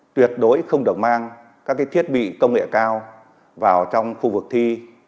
tuyệt đối không được mang các thiết bị công nghệ cao vào trong khu vực thi